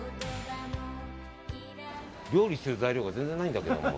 料理する材料が全然ないんだけど。